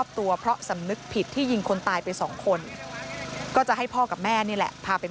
ตัวเพราะสำนึกผิดที่ยิงคนตายไปสองคนก็จะให้พ่อกับแม่นี่แหละพาไป